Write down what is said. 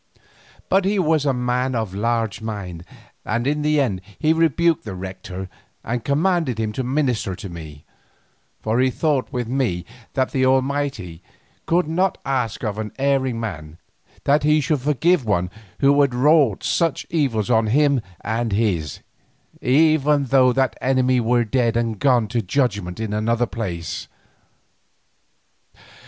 But he was a man of large mind, and in the end he rebuked the rector and commanded him to minister to me, for he thought with me that the Almighty could not ask of an erring man, that he should forgive one who had wrought such evils on him and his, even though that enemy were dead and gone to judgment in another place.